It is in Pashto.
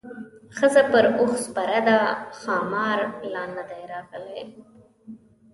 ښځه پر اوښ سپره ده ښامار لا نه دی راغلی.